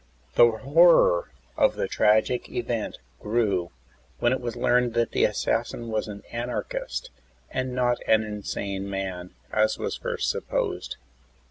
The horror of the tragic event grew when It was learned that the assassin was an anarchist, and not an insane man as was first supposed.